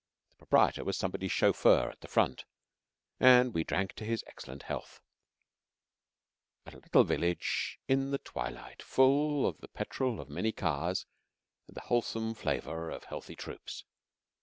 The proprietor was somebody's chauffeur at the front, and we drank to his excellent health) at a little village in a twilight full of the petrol of many cars and the wholesome flavour of healthy troops.